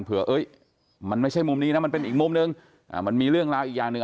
มันไม่ใช่มุมนี้นะมันเป็นอีกมุมนึงมันมีเรื่องราวอีกอย่างหนึ่ง